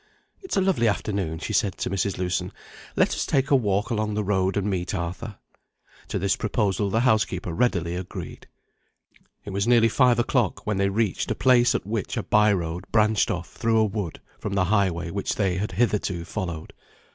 "It's a lovely afternoon," she said to Mrs. Lewson. "Let us take a walk along the road, and meet Arthur." To this proposal the housekeeper readily agreed. It was nearly five o'clock when they reached a place at which a by road branched off, through a wood, from the highway which they had hitherto followed.